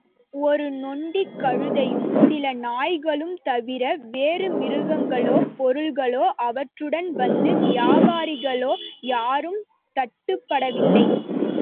ஒரு நொண்டிக் கழுதையும் சில நாய்களும் தவிர வேறு மிருகங்களோ, பொருள்களோ, அவற்றுடன் வந்த வியாபாரிகளோ யாரும் தட்டுப்படவில்லை.